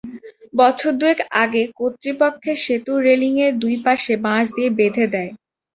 বছর দুয়েক আগে কর্তৃপক্ষ সেতুর রেলিংয়ের দুই পাশে বাঁশ দিয়ে বেঁধে দেয়।